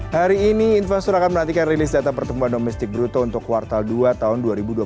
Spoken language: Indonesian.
hari ini investor akan menantikan rilis data pertumbuhan domestik bruto untuk kuartal dua tahun dua ribu dua puluh satu